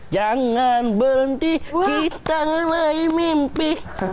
jangan berhenti kita mulai mimpi